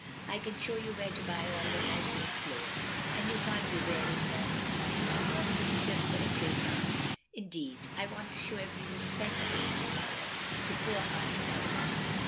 "I can show you where to buy all the nicest clothes; and you can't be wearing mourning much longer, just for a great aunt. "" Indeed — I want to show every respect in my power, to poor Aunt Caroline.